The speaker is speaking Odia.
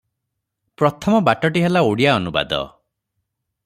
ପ୍ରଥମ ବାଟଟି ହେଲା ଓଡ଼ିଆ ଅନୁବାଦ ।